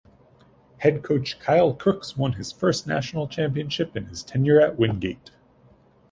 Head Coach Kyle Crookes won his first national championship in his tenure at Wingate.